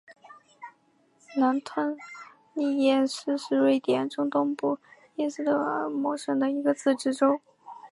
南泰利耶市是瑞典中东部斯德哥尔摩省的一个自治市。